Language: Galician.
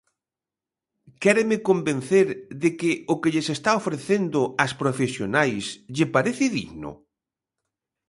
¿Quéreme convencer de que o que lles está ofrecendo ás profesionais lle parece digno?